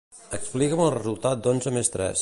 Explica'm el resultat d'onze més tres.